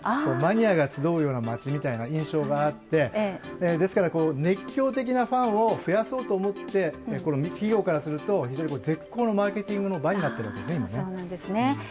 マニアが集うような街みたいな印象があって、ですから、熱狂的なファンを増やそうと思って企業からすると絶好のマーケティングの場になっているんですね。